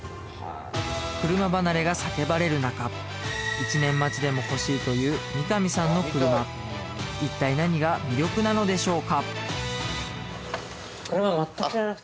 車離れが叫ばれる中１年待ちでも欲しいという三上さんの車一体何が魅力なのでしょうか？